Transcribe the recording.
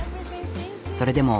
それでも。